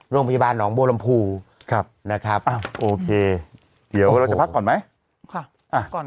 โรงพยาบาลหนองบัวลำพูนะครับโอเคเดี๋ยวเราจะพักก่อนไหม